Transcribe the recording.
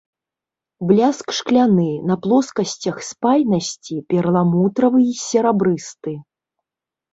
Бляск шкляны, на плоскасцях спайнасці перламутравы і серабрысты.